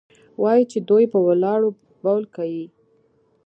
وايي چې دوى په ولاړو بول كيې؟